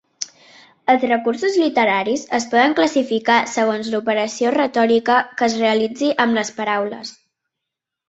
Els recursos literaris es poden classificar segons l'operació retòrica que es realitzi amb les paraules.